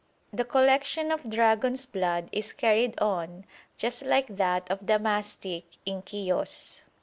The collection of dragon's blood is carried on just like that of the mastic in Chios.